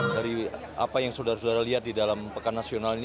dari apa yang saudara saudara lihat di dalam pekan nasional ini